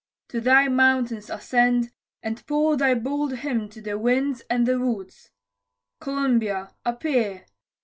To thy mountains ascend, And pour thy bold hymn to the winds and the woods; Columbia, appear!